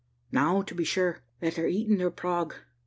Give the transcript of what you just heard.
"Now, to be sure, that they're eating their prog.